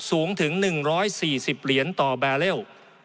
สูงถึง๑๔๐เหรียญต่อแบร์เล